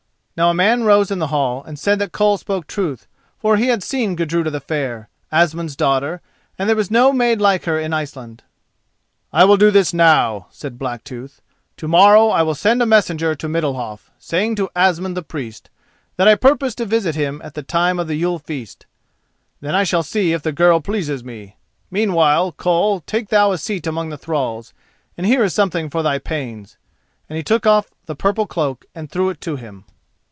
Now a man rose in the hall and said that Koll spoke truth, for he had seen Gudruda the Fair, Asmund's daughter, and there was no maid like her in Iceland. "I will do this now," said Blacktooth. "To morrow I will send a messenger to Middalhof, saying to Asmund the Priest that I purpose to visit him at the time of the Yule feast; then I shall see if the girl pleases me. Meanwhile, Koll, take thou a seat among the thralls, and here is something for thy pains," and he took off the purple cloak and threw it to him.